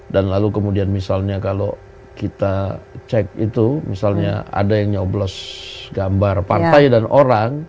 dan lalu kemudian misalnya kalau kita cek itu misalnya ada yang nyoblos gambar partai dan orang